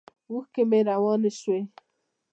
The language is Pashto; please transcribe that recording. اوښکې مې روانې شوې.